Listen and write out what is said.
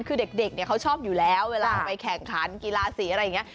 คือเด็กเขาชอบอยู่แล้วเวลาไปแข่งขันกีฬาสีอะไรอย่างนี้